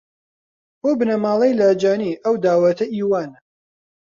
بۆ بنەماڵەی لاجانی ئەو داوەتە ئی وانە